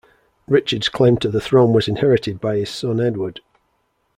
Richard's claim to the throne was inherited by his son Edward.